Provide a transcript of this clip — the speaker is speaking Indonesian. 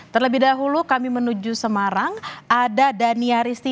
terlebih dahulu kami menuju semarang ada dania risti